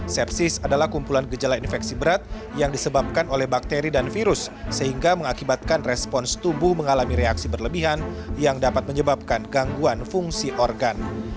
sepsis adalah kumpulan gejala infeksi berat yang disebabkan oleh bakteri dan virus sehingga mengakibatkan respons tubuh mengalami reaksi berlebihan yang dapat menyebabkan gangguan fungsi organ